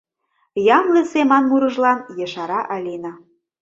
— Ямле семан мурыжлан, — ешара Алина.